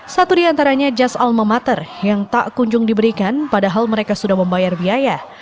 satu di antaranya jas alma mater yang tak kunjung diberikan padahal mereka sudah membayar biaya